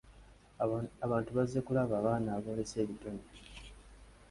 Abantu bazze kulaba baana aboolesa ebitone.